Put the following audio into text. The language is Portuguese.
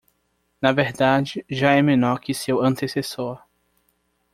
Na verdade, já é menor que seu antecessor.